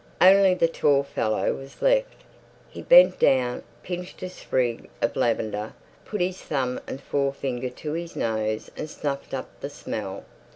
Only the tall fellow was left. He bent down, pinched a sprig of lavender, put his thumb and forefinger to his nose and snuffed up the smell.